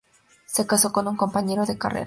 Se casó con un compañero de carrera.